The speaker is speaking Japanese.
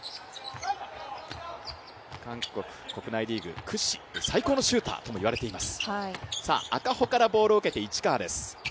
韓国国内リーグ屈指、最高のシューターともいわれています。